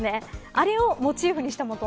あれをモチーフにしたもの。